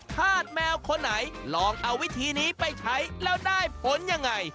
ธาตุแมวคนไหนลองเอาวิธีนี้ไปใช้แล้วได้ผลยังไง